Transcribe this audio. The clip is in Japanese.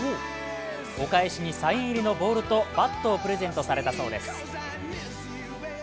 お返しにサイン入りのボールとバットをプレゼントされたそうです。